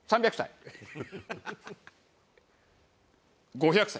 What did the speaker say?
５００歳。